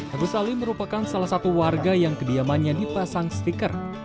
agus ali merupakan salah satu warga yang kediamannya dipasang stiker